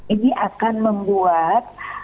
ini akan membuat